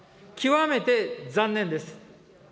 極めて残念です。